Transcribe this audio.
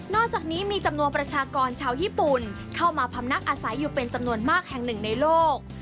อกจากนี้มีจำนวนประชากรชาวญี่ปุ่นเข้ามาพำนักอาศัยอยู่เป็นจำนวนมากแห่งหนึ่งในโลก